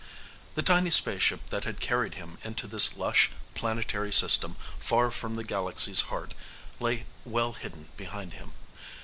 The tiny spaceship that had carried him into this lush planetary system far from the galaxy's heart lay well hidden behind him.